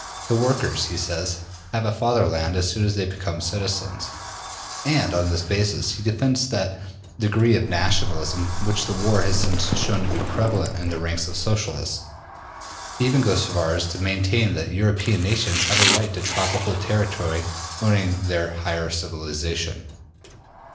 The workers, he says, have a Fatherland as soon as they become citizens, and on this basis he defends that degree of nationalism which the war has since shown to be prevalent in the ranks of Socialists. He even goes so far as to maintain that European nations have a right to tropical territory owing to their higher civilization.